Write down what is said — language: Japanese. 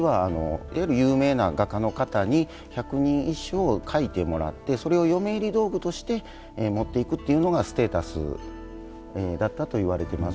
貴族の間では当時はいわゆる有名な画家の方に百人一首を描いてもらってそれを嫁入り道具として持っていくというのがステータスだったといわれています。